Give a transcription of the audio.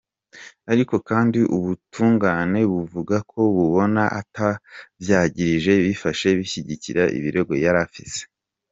Ariko kandi ubutungane buvuga ko bubona ata vyagiriji bifashe bishigikira ibirego yari afise.